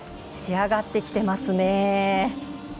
仕上がってきてますね。